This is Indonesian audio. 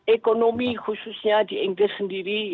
ekonomi khususnya di inggris sendiri